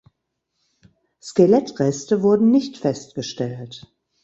Skelettreste wurden nicht festgestellt.